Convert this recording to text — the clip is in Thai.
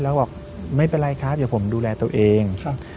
แล้วบอกไม่เป็นไรครับอย่าผมดูแลตัวเอง